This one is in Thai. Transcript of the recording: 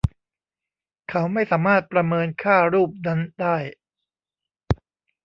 เขาไม่สามารถประเมินค่ารูปนั้นได้